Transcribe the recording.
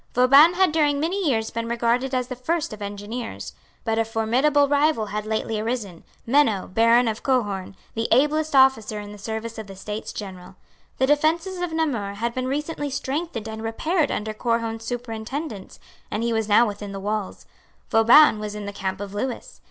Vauban had during many years been regarded as the first of engineers; but a formidable rival had lately arisen, Menno, Baron of Cohorn, the ablest officer in the service of the States General. The defences of Namur had been recently strengthened and repaired under Cohorn's superintendence; and he was now within the walls. Vauban was in the camp of Lewis.